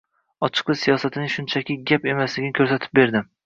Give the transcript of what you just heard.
Ochiqlik siyosatining shunchaki gap emasligini koʻrsatib berdi.